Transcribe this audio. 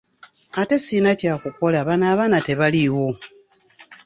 Ate sirina kya kukola bano abaana tebaliwo.